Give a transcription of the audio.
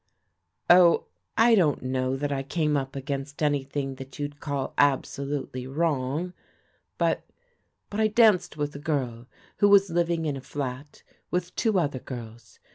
"Oh, I don't know that I came up against an3rthing that you'd call absolutely wrong; but — but I danced with a girl who was living in a flat with two other girls.